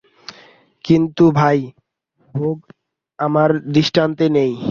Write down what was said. কিন্তু ভাই, ভোগ আমার অদৃষ্টে নেই।